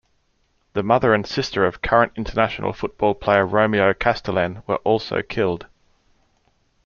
The mother and sister of current international football player Romeo Castelen were also killed.